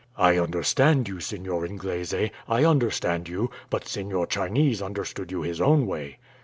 I understand you, Seignior Inglese, I understand you; but Seignior Chinese understood you his own way."